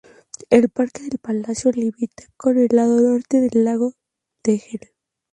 El parque del palacio limita con el lado norte del lago de Tegel.